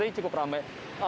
jadi ini cukup ramai